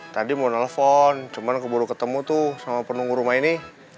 tadi mau nelfon cuman baru ketemu tuh sama penunggu rumah ini